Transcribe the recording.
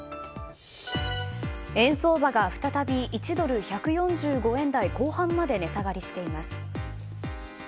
円相場が再び１ドル＝１４５円台後半まで値下がりしています。